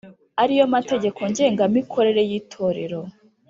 ariyo mategeko ngenga mikorere y Itorero